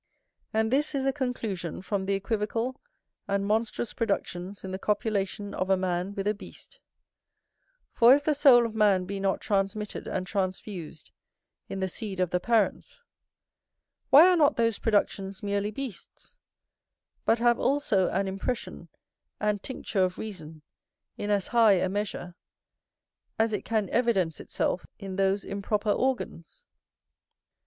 And this is a conclusion from the equivocal and monstrous productions in the copulation of a man with a beast: for if the soul of man be not transmitted and transfused in the seed of the parents, why are not those productions merely beasts, but have also an impression and tincture of reason in as high a measure, as it can evidence itself in those improper organs?